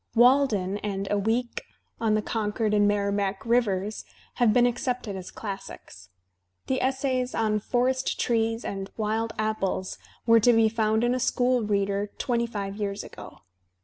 "Walden" and "A Week on Digitized by Google THOREAU 173 the Concord and Merrimac Rivers" have been accepted as classics. The essays on "Forest Trees" and "Wild Apples" were to be found in a school reader tw^ty five years ago.